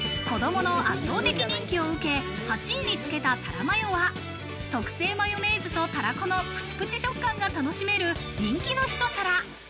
子供の圧倒的人気を受け、８位につけたたらマヨは特製マヨネーズとたらこのプチプチ食感が楽しめる人気のひと皿。